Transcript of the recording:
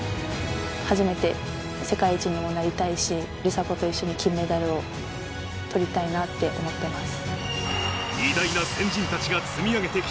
初めて世界一にはなりたいし、梨紗子と一緒に金メダルをとりたいなって思ってます。